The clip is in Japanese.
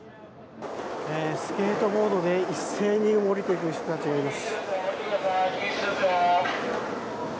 スケートボードで一斉に下りていく人たちがいます。